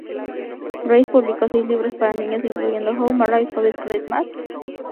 Reiss publicó seis libros para niños, incluyendo "How Murray Saved Christmas".